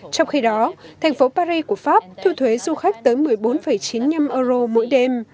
trong khi đó thành phố paris của pháp thu thuế du khách tới một mươi bốn chín mươi năm euro mỗi đêm